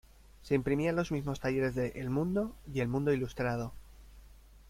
Se imprimía en los mismos talleres de "El Mundo", y "El Mundo Ilustrado".